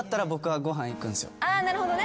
なるほどね